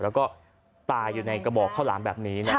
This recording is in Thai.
แล้วก็ตายอยู่ในกระบอกข้าวหลามแบบนี้